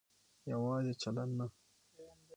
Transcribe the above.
يواځې چلن نه